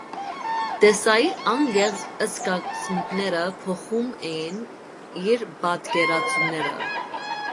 Տեսայի անկեղծ զգացմունքները փոխում են իր պատկերացումները։